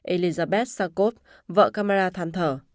elizabeth sarkov vợ camara than thở